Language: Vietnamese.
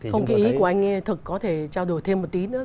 không ký ý của anh thực có thể trao đổi thêm một tí nữa